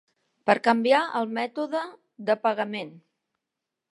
Per canviar el mètode de pagament.